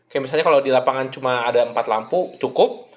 kayak misalnya kalau di lapangan cuma ada empat lampu cukup